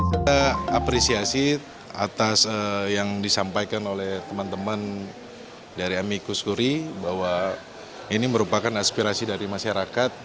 kita apresiasi atas yang disampaikan oleh teman teman dari amikus kuri bahwa ini merupakan aspirasi dari masyarakat